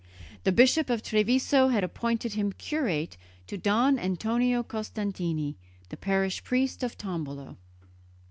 The Bishop of Treviso had appointed him curate to Don Antonio Costantini, the parish priest of Tombolo.